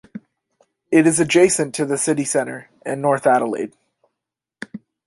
It is adjacent to the City centre and North Adelaide.